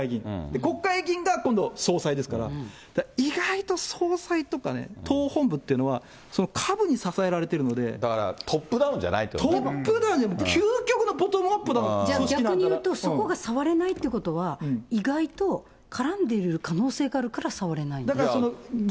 国会議員が今度、総裁ですから、意外と総裁とかね、党本部っていうのはね、だからトップダウンじゃないトップダウン、究極のボトム逆に言うとそこが触れないということは、意外と絡んでいる可能性があるから触れない？